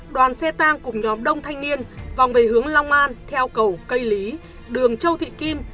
đoàn xe tang cùng nhóm đông thanh niên vòng về hướng long an theo cầu cây lý đường châu thị kim